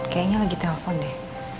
kayaknya lagi telepon deh